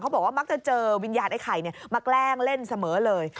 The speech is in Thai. บอกว่ามักจะเจอวิญญาณไอ้ไข่มาแกล้งเล่นเสมอเลย